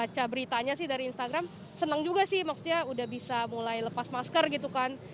baca beritanya sih dari instagram senang juga sih maksudnya udah bisa mulai lepas masker gitu kan